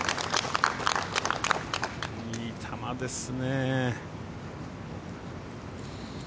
いい球ですね。